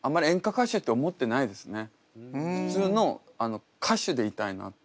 普通の歌手でいたいなって。